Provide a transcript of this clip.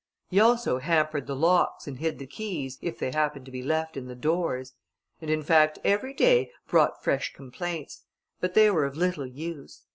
He also hampered the locks, and hid the keys, if they happened to be left in the doors; and, in fact, every day brought fresh complaints; but they were of little use.